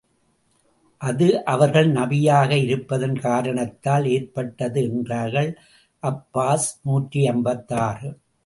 அது அவர்கள் நபியாக இருப்பதன் காரணத்தால் ஏற்பட்டது என்றார்கள் அப்பாஸ் நூற்றி ஐம்பத்தாறு.